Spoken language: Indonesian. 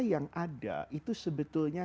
yang ada itu sebetulnya